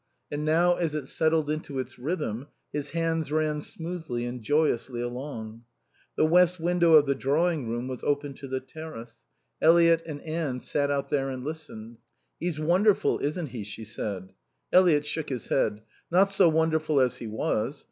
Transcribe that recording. And now as it settled into its rhythm his hands ran smoothly and joyously along. The west window of the drawing room was open to the terrace. Eliot and Anne sat out there and listened. "He's wonderful, isn't he?" she said. Eliot shook his head. "Not so wonderful as he was.